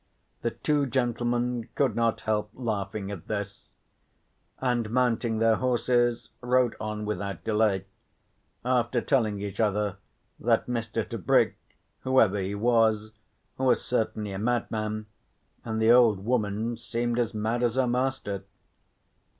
The two gentlemen could not help laughing at this; and mounting their horses rode on without delay, after telling each other that Mr. Tebrick, whoever he was, was certainly a madman, and the old woman seemed as mad as her master.